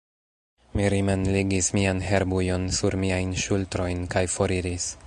Mi rimenligis mian herbujon sur miajn ŝultrojn kaj foriris.